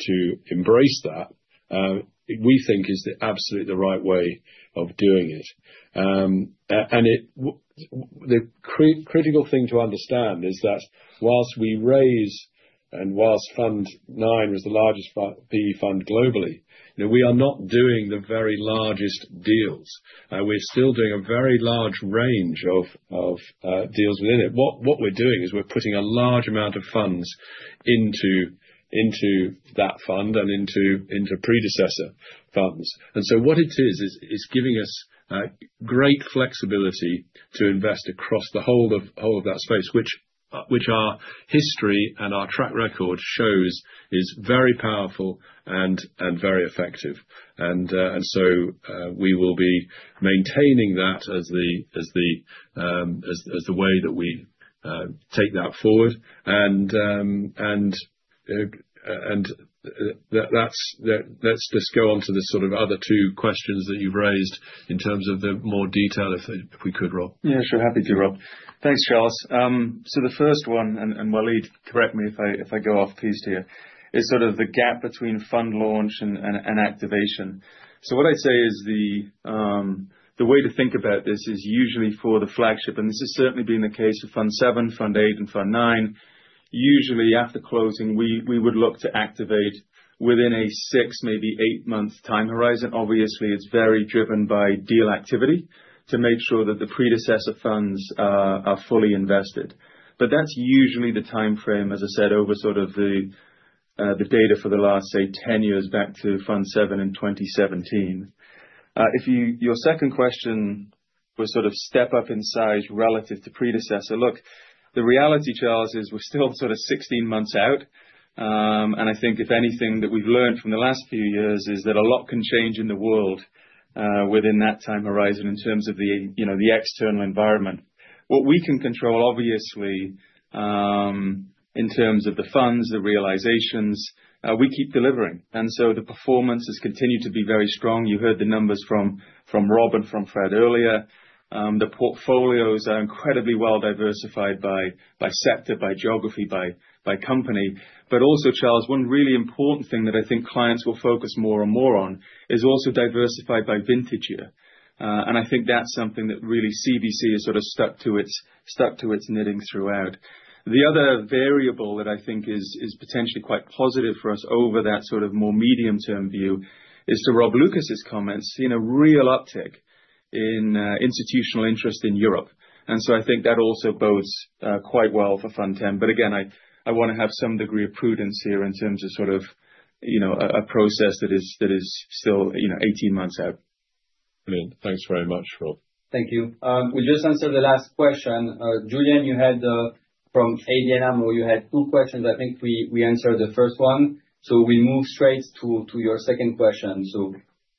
to embrace that, we think is absolutely the right way of doing it. And it is the critical thing to understand is that while we raise, and while Fund IX is the largest PE fund globally, you know, we are not doing the very largest deals. We're still doing a very large range of deals within it. What we're doing is we're putting a large amount of funds into that fund and into predecessor funds. And so what it is is it's giving us great flexibility to invest across the whole of that space, which our history and our track record shows is very powerful and very effective. And so we will be maintaining that as the way that we take that forward. Let's just go on to the sort of other two questions that you've raised, in terms of the more detail, if we could, Rob. Yeah, sure. Happy to, Rob. Thanks, Charles. So the first one, and Walid, correct me if I go off piste here, is sort of the gap between fund launch and activation. So what I'd say is the way to think about this is usually for the flagship, and this has certainly been the case with Fund VII, Fund VIII, and Fund IX. Usually, after closing, we would look to activate within a six, maybe eight-month time horizon. Obviously, it's very driven by deal activity, to make sure that the predecessor funds are fully invested. But that's usually the timeframe, as I said, over sort of the data for the last, say, 10 years back to Fund VII in twenty seventeen. If you... Your second question, was sort of step up in size relative to predecessor. Look, the reality, Charles, is we're still sort of sixteen months out. And I think if anything that we've learned from the last few years, is that a lot can change in the world, within that time horizon, in terms of the, you know, the external environment. What we can control, obviously, in terms of the funds, the realizations, we keep delivering. And so the performance has continued to be very strong. You heard the numbers from Rob and from Fred earlier. The portfolios are incredibly well diversified by sector, by geography, by company. But also, Charles, one really important thing that I think clients will focus more and more on, is also diversified by vintage year. And I think that's something that really CVC has sort of stuck to its knitting throughout. The other variable that I think is potentially quite positive for us over that sort of more medium-term view is to Rob Lucas' comments, seen a real uptick in institutional interest in Europe. And so I think that also bodes quite well for Fund X. But again, I want to have some degree of prudence here in terms of sort of, you know, a process that is still, you know, eighteen months out. Thanks very much, Rob. Thank you. We just answered the last question. Julian, you had from ABN AMRO, where you had two questions. I think we answered the first one, so we move straight to your second question. So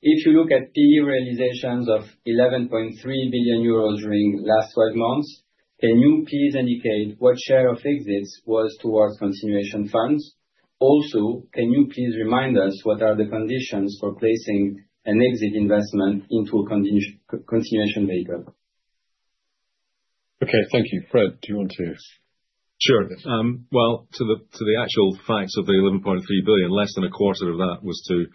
if you look at PE realizations of 11.3 billion euros during last twelve months, can you please indicate what share of exits was towards continuation funds? Also, can you please remind us what are the conditions for placing an exit investment into a continuation vehicle? Okay, thank you. Fred, do you want to- Sure. Well, to the actual facts of the 11.3 billion, less than a quarter of that was to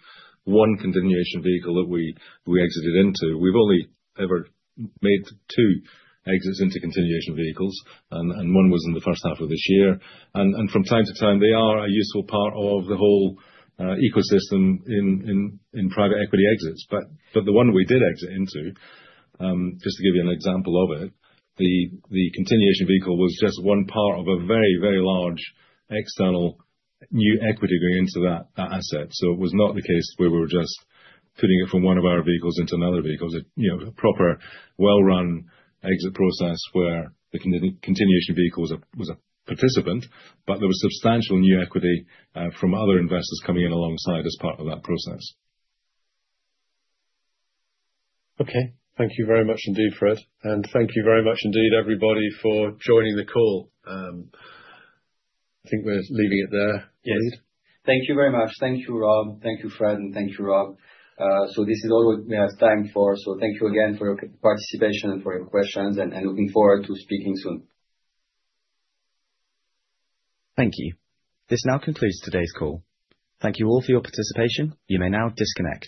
one continuation vehicle that we exited into. We've only ever made two exits into continuation vehicles, and one was in the first half of this year. And from time to time, they are a useful part of the whole ecosystem in private equity exits. But the one we did exit into, just to give you an example of it, the continuation vehicle was just one part of a very large external new equity going into that asset. So it was not the case where we were just putting it from one of our vehicles into another vehicle. It, you know, a proper, well-run exit process, where the continuation vehicle was a participant, but there was substantial new equity from other investors coming in alongside as part of that process. Okay. Thank you very much indeed, Fred, and thank you very much indeed, everybody, for joining the call. I think we're leaving it there. Yes. Thank you very much. Thank you, Rob. Thank you, Fred, and thank you, Rob. So this is all we have time for, so thank you again for your participation and for your questions, and I'm looking forward to speaking soon. Thank you. This now concludes today's call. Thank you all for your participation. You may now disconnect.